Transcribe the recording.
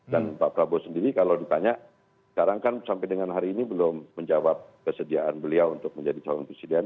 dan pak prabowo sendiri kalau ditanya sekarang kan sampai dengan hari ini belum menjawab kesediaan beliau untuk menjadi calon presiden